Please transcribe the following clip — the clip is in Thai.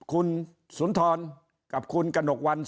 คราวนี้เจ้าหน้าที่ป่าไม้รับรองแนวเนี่ยจะต้องเป็นหนังสือจากอธิบดี